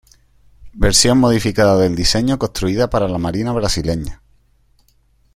Versión modificada del diseño construida para la marina Brasileña.